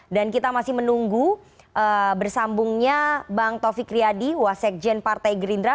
dan kita masih menunggu bersambungnya bang taufik riyadi wasekjen partai gerindra